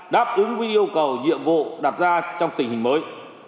đáp ứng với yêu cầu nhiệm vụ đặt ra trong tình hình mới